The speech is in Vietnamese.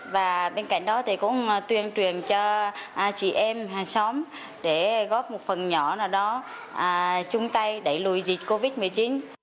và bên cạnh đó thì cũng tuyên truyền cho chị em hàng xóm để góp một phần nhỏ nào đó chung tay đẩy lùi dịch covid một mươi chín